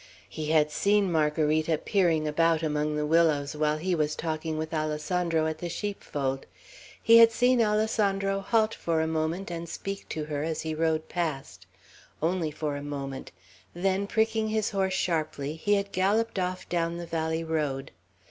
He had seen Margarita peering about among the willows while he was talking with Alessandro at the sheepfold; he had seen Alessandro halt for a moment and speak to her as he rode past, only for a moment; then, pricking his horse sharply, he had galloped off down the valley road.